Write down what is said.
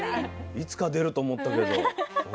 いつか出ると思ったけど。